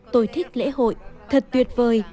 tôi thích lễ hội thật tuyệt vời